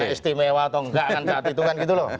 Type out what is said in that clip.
istimewa atau nggak kan saat itu kan gitu lho